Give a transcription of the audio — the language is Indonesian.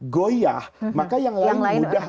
goyah maka yang lain mudah